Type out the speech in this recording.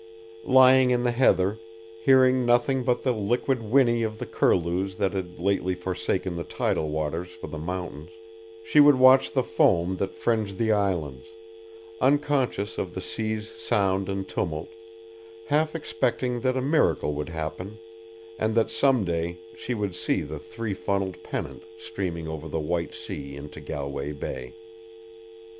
Lying in the heather, hearing nothing but the liquid whinny of the curlews that had lately forsaken the tidal waters for the mountains, she would watch the foam that fringed the islands, unconscious of the sea's sound and tumult, half expecting that a miracle would happen and that someday she would see the three funnelled Pennant steaming over the white sea into Galway Bay.